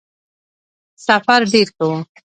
سفر ډېر ښه وو.